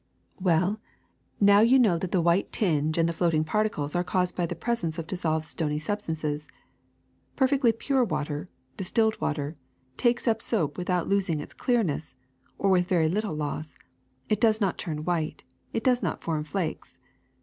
"Well, now you will know that the white tinge and WATER 245 the floating particles are caused by the presence of dissolved stony substances. Perfectly pure water, distilled water, takes up soap without losing its clear ness, or with very little loss ; it does not turn white, it does not form flakes.